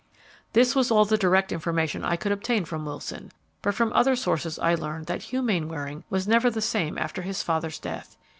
"This was all the direct information I could obtain from Wilson, but from other sources I learned that Hugh Mainwaring was never the same after his father's death.